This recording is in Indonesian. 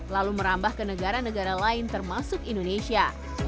lalu merambah ke negara negara lain termasuk indonesia